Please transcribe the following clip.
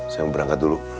saya mau berangkat dulu